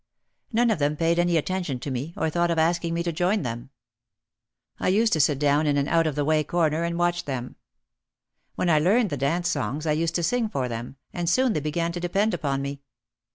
None of them paid any attention to me or thought of asking me to join them. I used to sit down in an out of the way corner and watch them. When I learned the dance songs I used to sing for them, and soon they began to depend upon me.